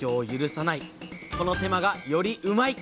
この手間がよりうまいッ！